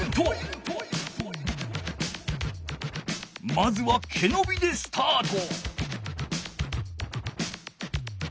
まずはけのびでスタート！